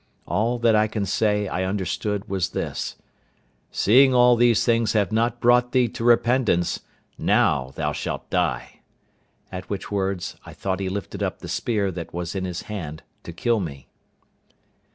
All that I can say I understood was this: "Seeing all these things have not brought thee to repentance, now thou shalt die;" at which words, I thought he lifted up the spear that was in his hand to kill me.